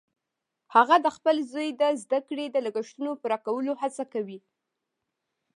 هغه د خپل زوی د زده کړې د لګښتونو پوره کولو هڅه کوي